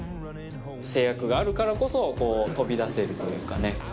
制約があるからこそ飛び出せるというかね